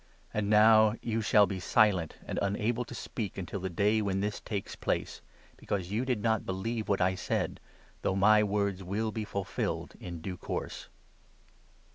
And now you shall be silent and 20 unable to .speak until the day when this takes place, because you did not believe what I said, though my words will be fulfilled in due ccoirse."